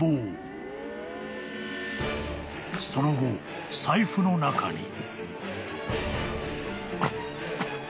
［その後財布の中に］